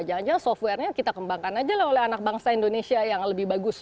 jangan jangan software nya kita kembangkan aja lah oleh anak bangsa indonesia yang lebih bagus